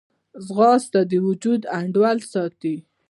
ځغاسته د وجود انډول ساتي